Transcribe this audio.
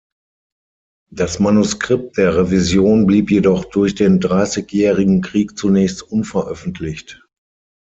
Das Manuskript der Revision blieb jedoch durch den Dreißigjährigen Krieg zunächst unveröffentlicht.